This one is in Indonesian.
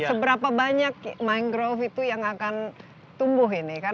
seberapa banyak mangrove itu yang akan tumbuh ini kan